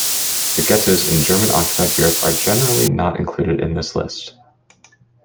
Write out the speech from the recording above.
The Ghettos in German-occupied Europe are generally not included in this list.